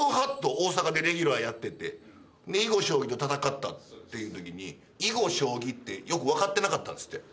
大阪でレギュラーやってて囲碁将棋と戦ったっていうときに囲碁将棋ってよく分かってなかったんですって。